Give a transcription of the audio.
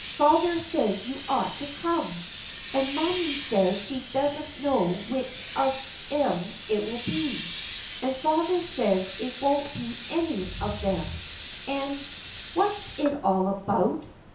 Father says you ought to come, and mammy says she doesn't know which of 'em it'll be; and father says it won't be any of them, and what's it all about?"